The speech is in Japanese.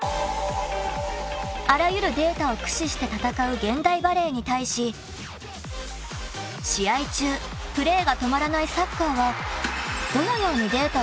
［あらゆるデータを駆使して戦う現代バレーに対し試合中プレーが止まらないサッカーはどのようにデータを活用しているのでしょうか］